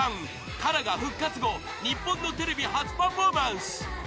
ＫＡＲＡが復活後日本のテレビ初パフォーマンス